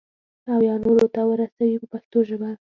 او یا نورو ته ورسوي په پښتو ژبه.